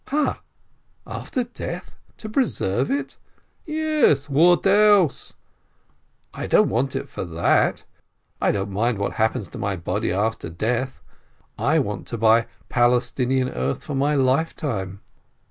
"Ha? After death? To preserve it ?" "Yes, what else?" "I don't want it for that, I don't mind what happens to my body after death. I want to buy Palestinian earth for my lifetime."